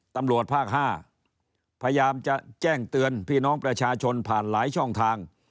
ตำรวจภาค๕พยายามจะแจ้งเตือนพี่น้องประชาชนผ่านหลายช่องทาง